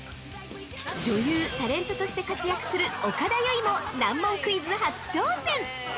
◆女優・タレントとして活躍する岡田結実も難問クイズ初挑戦。